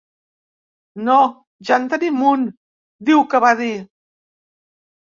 “No, ja en tenim un”, diu que va dir.